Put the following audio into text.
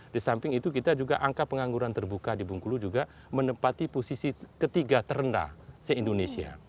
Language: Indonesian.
di samping itu kita juga angka pengangguran terbuka di bengkulu juga menempati posisi ketiga terendah se indonesia